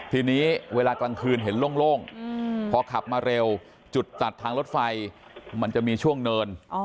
ทีนี้เวลากลางคืนเห็นโล่งพอขับมาเร็วจุดตัดทางรถไฟมันจะมีช่วงเนิน